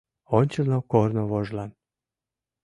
Ончылно корно вожлан.